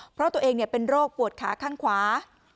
เพราะตัวเองเป็นโรคปวดขาข้างขวา